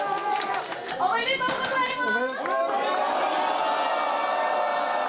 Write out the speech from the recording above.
おめでとうございます！